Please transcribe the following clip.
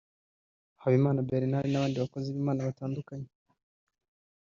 Habimana Bernard n’abandi bakozi b’Imana batandukanye